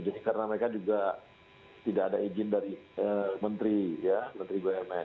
jadi karena mereka juga tidak ada izin dari menteri ya menteri bumn